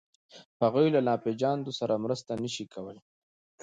هغوی له ناپېژاندو سره مرسته نهشي کولی.